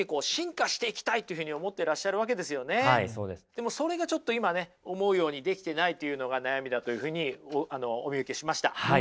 でもそれがちょっと今ね思うようにできていないというのが悩みだというふうにお見受けしました。